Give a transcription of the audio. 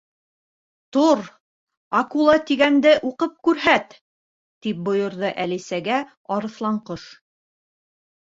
—Тор, «Акула» тигәнде уҡып күрһәт, —тип бойорҙо Әлисәгә Арыҫланҡош.